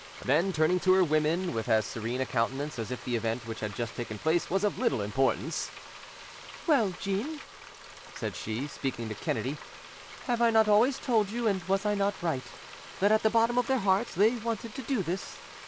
Then, turning to her women with as serene a countenance as if the event which had just taken place was of little importance— "Well, Jeanne," said she, speaking to Kennedy, "have I not always told you, and was I not right, that at the bottom of their hearts they wanted to do this?